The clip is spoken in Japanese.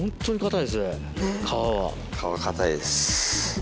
皮硬いです。